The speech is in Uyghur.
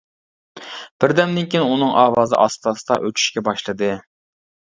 بىردەمدىن كېيىن ئۇنىڭ ئاۋازى ئاستا-ئاستا ئۆچۈشكە باشلىدى.